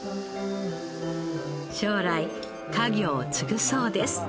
将来家業を継ぐそうです。